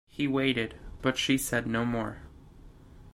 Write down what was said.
He waited, but she said no more.